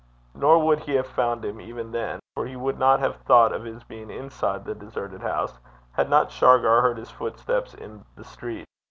Nor would he have found him even then, for he would not have thought of his being inside the deserted house, had not Shargar heard his footsteps in the street.